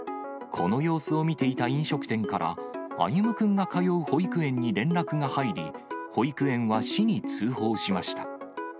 この様子を見ていた飲食店から、歩夢くんが通う保育園に連絡が入り、保育園は市に通報しました。